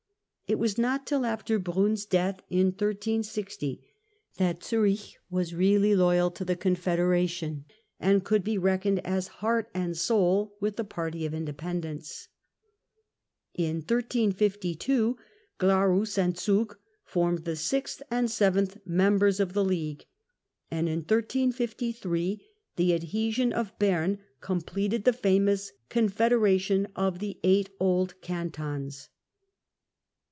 It was not till after Brun's death in 1360, that Zurich was really loyal to the Confederation and could be reckoned as heart and soul with the party of independence. Giarus and In 1352 Glarus and Zug formed the sixth and seventh igf/^"' members of the League, and in 1353 the adhesion of Bern Bern completed the famous Confederation of the Eight SI' old Cantons.